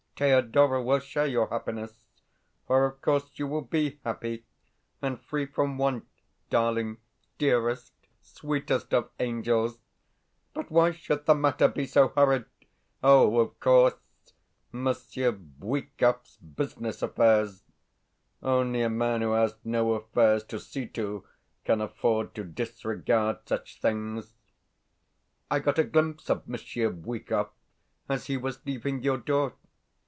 Thedora will share your happiness for, of course, you will be happy, and free from want, darling, dearest, sweetest of angels! But why should the matter be so hurried? Oh, of course Monsieur Bwikov's business affairs. Only a man who has no affairs to see to can afford to disregard such things. I got a glimpse of Monsieur Bwikov as he was leaving your door.